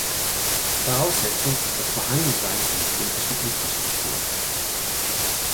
Voraussetzung ist das Vorhandensein einer städtischen Infrastruktur.